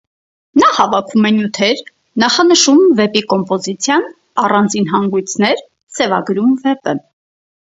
Նա հավաքում է նյութեր, նախանշում վեպի կոմպոզիցիան, առանձին հանգույցներ, սևագրում վեպը։